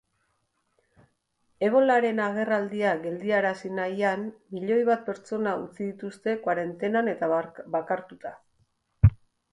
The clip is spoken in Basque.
Ebolaren agerraldia geldiarazi nahian, milioi bat pertsona utzi dituzte koarentenan eta bakartuta.